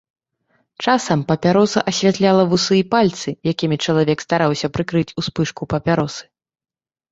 Часам папяроса асвятляла вусы і пальцы, якімі чалавек стараўся прыкрыць успышку папяросы.